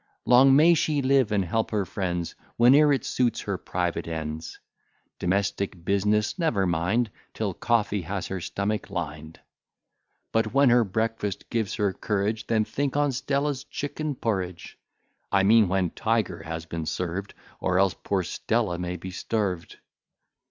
Long may she live, and help her friends Whene'er it suits her private ends; Domestic business never mind Till coffee has her stomach lined; But, when her breakfast gives her courage, Then think on Stella's chicken porridge: I mean when Tigerhas been served, Or else poor Stella may be starved.